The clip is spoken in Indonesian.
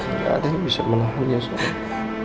tidak ada yang bisa melahunya sayang